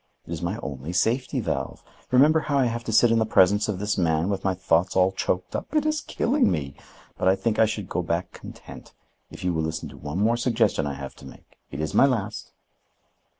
It is my only safety valve. Remember how I have to sit in the presence of this man with my thoughts all choked up. It is killing me. But I think I should go back content if you will listen to one more suggestion I have to make. It is my last."